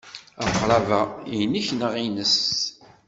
Aqrab-a inek neɣ ines?